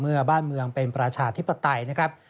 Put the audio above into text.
เมื่อบ้านเมืองเป็นประชาธิปไตยนะครับ